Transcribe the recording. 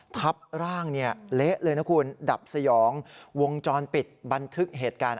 ทับร่างเนี่ยเละเลยนะคุณดับสยองวงจรปิดบันทึกเหตุการณ์